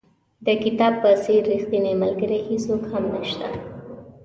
د کتاب په څېر ریښتینی ملګری هېڅوک هم نشته.